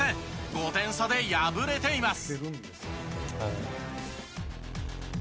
５点差で敗れています。